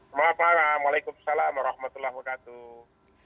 selamat malam waalaikumsalam warahmatullahi wabarakatuh